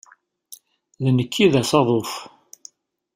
D nekk i d asaḍuf.